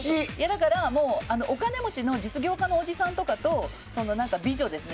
だから、お金持ちの実業家のおじさんとかと美女ですね。